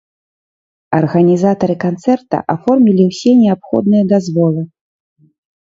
Арганізатары канцэрта аформілі ўсе неабходныя дазволы.